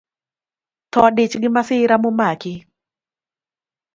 Thoo dich gi masira momaki